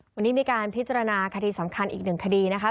วันนี้มีการพิจารณาคดีสำคัญอีกหนึ่งคดีนะคะ